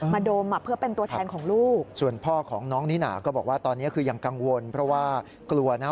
บอกว่าตอนนี้คือยังกังวลเพราะว่ากลัวนะ